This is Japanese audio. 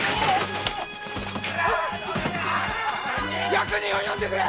役人を呼んでくれ！